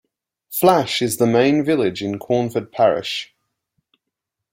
Flash is the main village in Quarnford Parish.